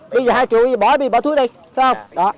bây giờ hai triệu bỏ đi bỏ thuốc đi